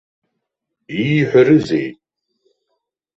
Ииҳәарызеи?